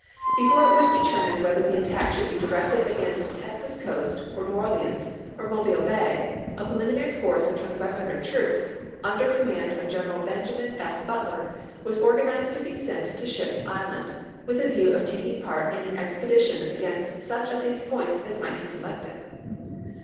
Before it was deter mined whether the attack should be directed against the Texas coast, or New Orleans, or Mobile Bay, a preliminary force of 2500 troops, under command of General Benjamin F. Butler, was organized to be sent to Ship Island, with a view of taking part in an expedition against such of these points as might be selected.